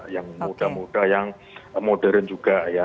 yang moda moda yang modern juga ya